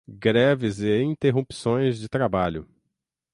Greves e Interrupções de Trabalho